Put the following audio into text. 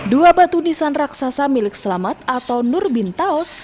dua batu nisan raksasa milik selamat atau nur bin taos